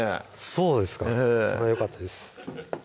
そうですかそれはよかったです